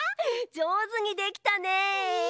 じょうずにできたね！